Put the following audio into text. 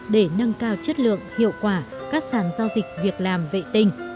để nâng cao chất lượng hiệu quả các sản giao dịch việc làm vệ tinh